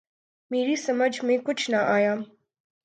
میری سمجھ میں کچھ نہ آیا۔